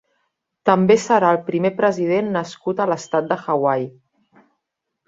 També serà el primer president nascut a l'estat de Hawaii.